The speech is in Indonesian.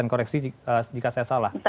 koreksi jika saya salah